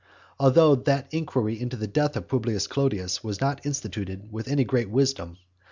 Although that inquiry into the death of Publius Clodius was not instituted with any great wisdom.